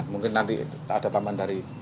mungkin nanti ada tambahan dari